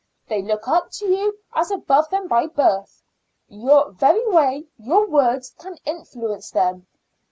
They look up to you as above them by birth; your very way, your words, can influence them.